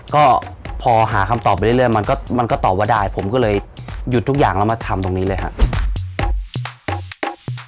ก็พอหาคำตอบไปเรื่อยมันก็ตอบว่าได้ผมก็เลยหยุดทุกอย่างแล้วมาทำตรงนี้เลยครับ